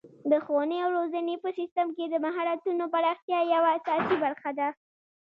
د ښوونې او روزنې په سیستم کې د مهارتونو پراختیا یوه اساسي برخه ده.